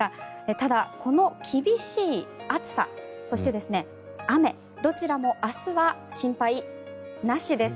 ただ、この厳しい暑さそして、雨どちらも明日は心配なしです。